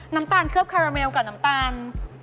น้ำตาลเคลือบคาราเมลกับน้ำตาล